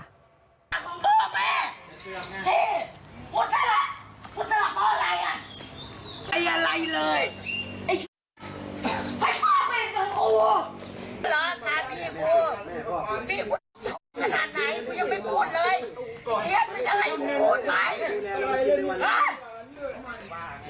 พี่พี่ขนาดไหนพี่ยังไม่พูดเลย